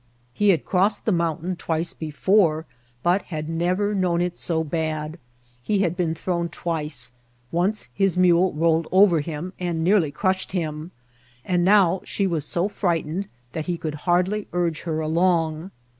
He had crossed the mount ain twice before, but had never known it so bad ; he A CAPITALIST. 45 had been thrown twice ; once his mole rolled over him, and nearly crashed him ; and now she was so frightened that he could hardly urge her along.